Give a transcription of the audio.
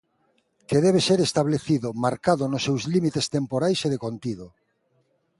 Que debe ser establecido, marcado nos seus límites temporais e de contido.